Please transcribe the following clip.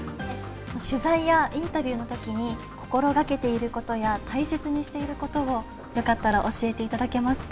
取材やインタビューのときに心がけていることや、大切にしていることを、よかったら教えていただけますか。